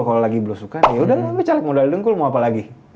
kalo lagi blo sukan yaudah lo caleg modal dengkul mau apa lagi